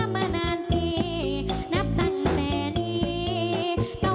น้ำตาตกโคให้มีโชคเมียรสิเราเคยคบกันเหอะน้ำตาตกโคให้มีโชค